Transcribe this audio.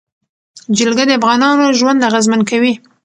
جلګه د افغانانو ژوند اغېزمن کوي.